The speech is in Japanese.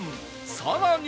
さらに